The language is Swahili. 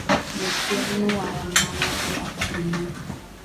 Ni kwenu wa mama pia kutumika